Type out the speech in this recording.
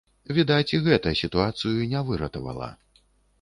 Відаць, і гэта сітуацыю не выратавала.